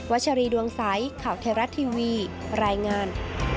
วัชรีดวงไซค์ข่าวเทราะห์ทีวีรายงาน